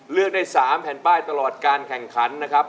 เลือกได้๓แผ่นป้ายตลอดการแข่งขันนะครับ